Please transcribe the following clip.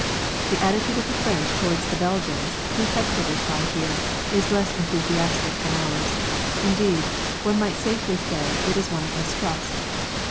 The attitude of the French towards the Belgians, whose headquarters lie here, is less enthusiastic than ours; indeed, one might safely say it is one of mistrust.